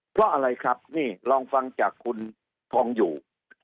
เพราะอะไรครับนี่ลองฟังจากคุณทองอยู่